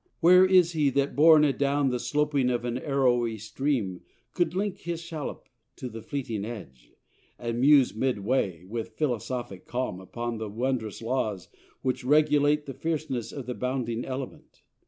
Where is he that, borne Adown the sloping of an arrowy stream, Could link his shallop to the fleeting edge, And muse midway with philosophic calm Upon the wondrous laws which regulate The fierceness of the bounding element?